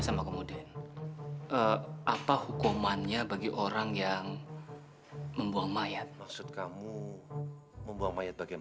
sampai jumpa di video selanjutnya